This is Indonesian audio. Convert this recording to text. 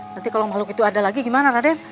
nanti kalau makhluk itu ada lagi gimana rade